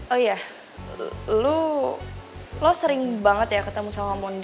oh iya lu lo sering banget ya ketemu sama mondi